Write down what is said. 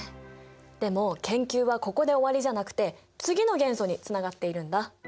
でも研究はここで終わりじゃなくて次の元素につながっているんだ。